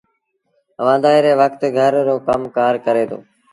وآݩدآئيٚ ري وکت گھر رو ڪم ڪآر ڪري دو